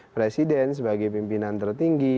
presiden sebagai pimpinan tertinggi